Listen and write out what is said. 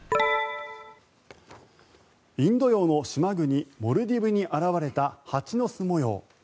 インド洋の島国モルディブに現れた蜂の巣模様。